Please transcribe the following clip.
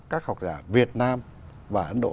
các học giả việt nam và ấn độ